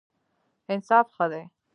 انصاف ښه دی.